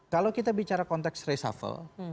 kalau kita bicara konteks reshuffle